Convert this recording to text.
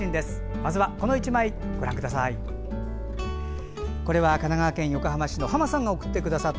まずはこの１枚、ご覧ください。